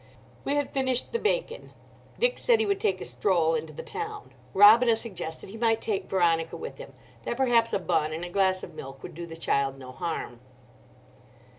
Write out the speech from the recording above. We had finished the bacon. Dick said he would take a stroll into the town. Robina suggested he might take Veronica with him, that perhaps a bun and a glass of milk would do the child no harm.